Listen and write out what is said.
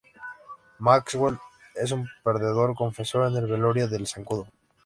Maxwell es un perdedor confesó en el velorio del Zancudo.